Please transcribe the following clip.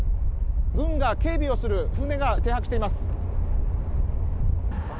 軍が警備をする船が停泊しています。